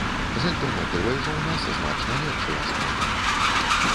З альтэрнатывай жа ў нас значна лепшыя справы.